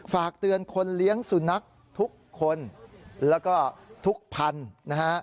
ฝากเตือนคนเลี้ยงสุนัขทุกคนแล้วก็ทุกพันธุ์นะฮะ